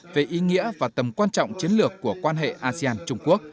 về ý nghĩa và tầm quan trọng chiến lược của quan hệ asean trung quốc